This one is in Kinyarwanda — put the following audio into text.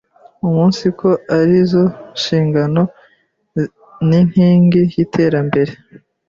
umunsiko ari zo shingiro n’inkingi by’iterambere